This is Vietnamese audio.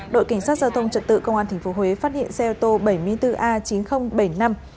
đội cảnh sát giao thông trật tự công an tp huế phát hiện xe ô tô bảy mươi bốn a chín nghìn bảy mươi năm